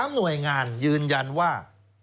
๓หน่วยงานยืนยันว่า